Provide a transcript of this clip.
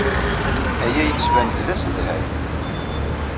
Aya yettban-d d asedhay.